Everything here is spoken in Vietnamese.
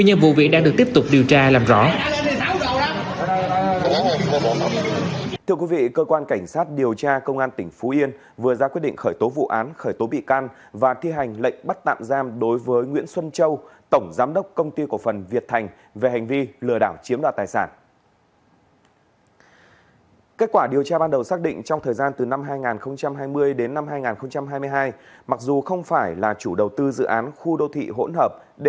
nguyên nhân vụ bị đang được tiếp tục điều tra làm rõ